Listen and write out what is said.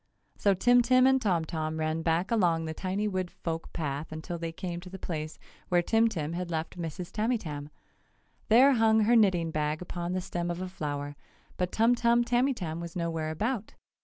So Tim Tim and Tom Tom ran back along the tiny wood folk path until they came to the place where Tim Tim had left Mrs. Tamytam. There hung her knitting bag upon the stem of a flower, but Tum Tum Tamytam was no where about.